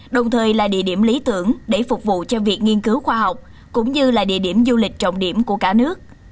đồng thời là địa điểm lý tưởng để phục vụ cho việc nghiên cứu khoa học cũng như là địa điểm du lịch trọng điểm của cả nước